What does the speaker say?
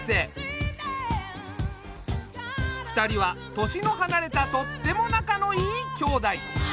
２人は年の離れたとっても仲のいい兄妹。